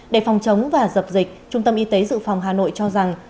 để phòng chống và dập dịch trung tâm y tế dự phòng hà nội cho rằng